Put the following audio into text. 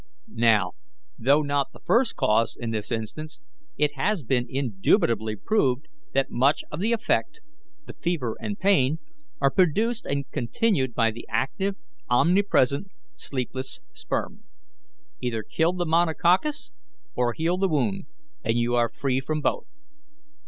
Now, though not the first cause in this instance, it has been indubitably proved, that much of the effect, the fever and pain, are produced and continued by the active, omnipresent, sleepless sperm. Either kill the micrococcus or heal the wound, and you are free from both.